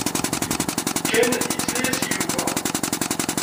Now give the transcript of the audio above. Ken yesla-as i Yuba.